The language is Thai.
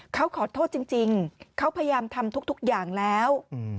เขาขอโทษจริงเขาพยายามทำทุกอย่างแล้ว